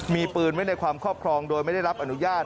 มีปืนไว้ในความครอบครองโดยไม่ได้รับอนุญาต